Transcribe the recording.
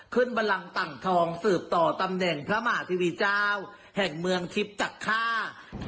บันลังต่างทองสืบต่อตำแหน่งพระมหาเทวีเจ้าแห่งเมืองทิพย์จากค่า